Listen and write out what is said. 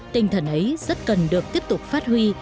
tinh thần ấy rất cần được tiếp tục phát huy